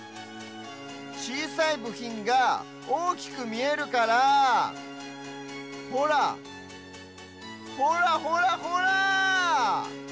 ちいさいぶひんがおおきくみえるからほらほらほらほら！